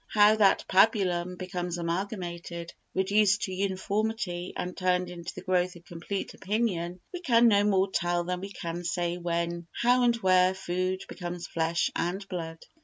How that pabulum becomes amalgamated, reduced to uniformity and turned into the growth of complete opinion we can no more tell than we can say when, how and where food becomes flesh and blood.